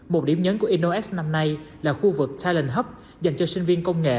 một điểm nhấn của innox năm nay là khu vực talent hub dành cho sinh viên công nghệ